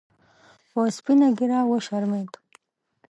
په سپینه ګیره وشرمید